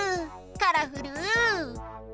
カラフル！